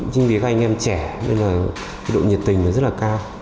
chính vì các anh em trẻ nên là độ nhiệt tình rất là cao